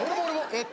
えっ！？